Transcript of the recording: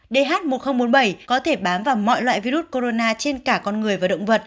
dh một nghìn bốn mươi bảy có thể bám vào mọi loại virus corona trên cả con người và động vật